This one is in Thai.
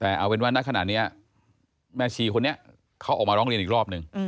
แต่เอาเป็นว่าณขณะนี้แม่ชีคนนี้เขาออกมาร้องเรียนอีกรอบนึง